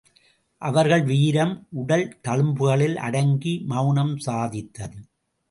அவர்கள் வீரம் உடல் தழும்புகளில் அடங்கி மவுனம் சாதித்தது.